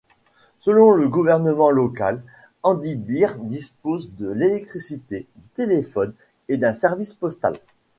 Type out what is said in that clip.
Selon le gouvernement local, Emdibir dispose de l'électricité, du téléphone et d'un service postal.